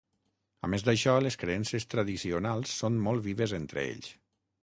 A més d'això, les creences tradicionals són molt vives entre ells.